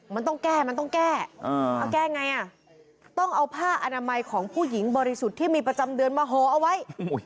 มันต้องแก้มันต้องแก้เอาแก้ไงอ่ะต้องเอาผ้าอนามัยของผู้หญิงบริสุทธิ์ที่มีประจำเดือนมาโหเอาไว้